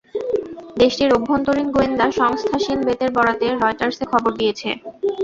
দেশটির অভ্যন্তরীণ গোয়েন্দা সংস্থা শিন বেতের বরাতে রয়টার্স এ খবর দিয়েছে।